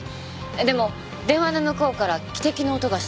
でも電話の向こうから汽笛の音がしたって。